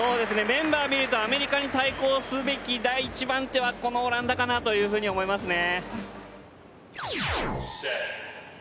メンバー見るとアメリカに対抗すべき第一番手はこのオランダかなと思いますね。